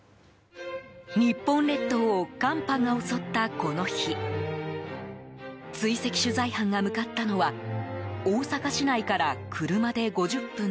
日本列島を寒波が襲ったこの日追跡取材班が向かったのは大阪市内から車で５０分。